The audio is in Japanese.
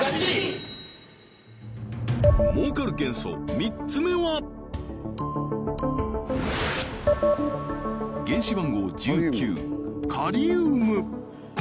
儲かる元素３つ目は原子番号１９カリウム